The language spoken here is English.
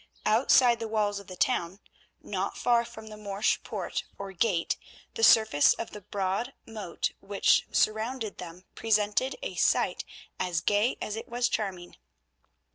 Outside the walls of the town, not far from the Morsch poort, or gate, the surface of the broad moat which surrounded them presented a sight as gay as it was charming.